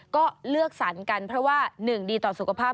ก็เลือกสรรกันเพราะว่าหนึ่งดีต่อสุขภาพ